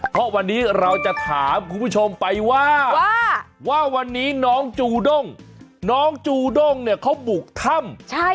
เพราะวันนี้เราจะถามคุณผู้ชมไปว่าว่าวันนี้น้องจูด้งน้องจูด้งเนี่ยเขาบุกถ้ำ